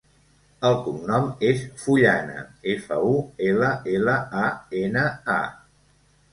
El cognom és Fullana: efa, u, ela, ela, a, ena, a.